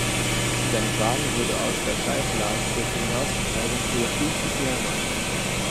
Sein Wagen wurde aus der "Scheivlak"-Kurve hinausgetragen und überschlug sich mehrmals.